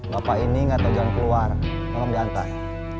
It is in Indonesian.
bapak ini enggak tahu jalan keluar tolong diantar